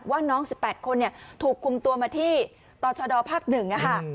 ว่าน้อง๑๘คนถูกคุมตัวมาที่ต่อชดภาค๑ค่ะ